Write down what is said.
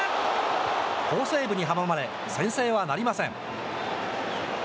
好セーブに阻まれ、先制はなりません。